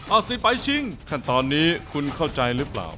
เอาสิไปชิงขั้นตอนนี้คุณเข้าใจหรือเปล่า